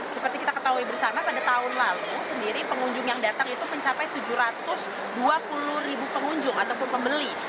seperti kita ketahui bersama pada tahun lalu sendiri pengunjung yang datang itu mencapai tujuh ratus dua puluh ribu pengunjung ataupun pembeli